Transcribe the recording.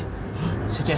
ini lagi serupa nih